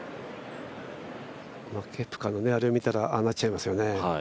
ケプカのあれを見たらああなっちゃいますよね。